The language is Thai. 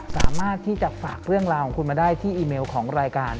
สามารถที่จะฝากเรื่องราวของคุณมาได้ที่อีเมลของรายการ